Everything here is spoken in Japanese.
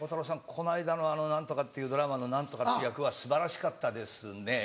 この間のあの何とかっていうドラマの何とかって役は素晴らしかったですね。